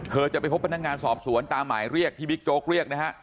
จะไปพบพนักงานสอบสวนตามหมายเรียกที่บิ๊กโจ๊กเรียกนะฮะ